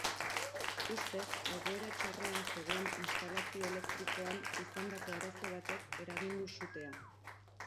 Ustez, egoera txarrean zegoen instalazio elektrikoan izandako arazo batek eragin du sutea.